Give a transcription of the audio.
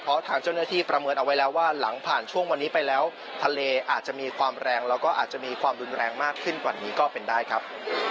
เพราะทางเจ้าหน้าที่ประเมินเอาไว้แล้วว่าหลังผ่านช่วงวันนี้ไปแล้วทะเลอาจจะมีความแรงแล้วก็อาจจะมีความรุนแรงมากขึ้นกว่านี้ก็เป็นได้ครับ